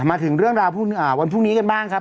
มาถึงเรื่องราววันพรุ่งนี้กันบ้างครับ